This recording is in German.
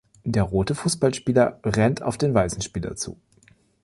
Der rote Fußballspieler rennt auf den weißen Spieler zu.